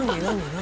何？